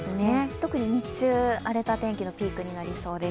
特に日中、荒れた天気のピークになりそうです。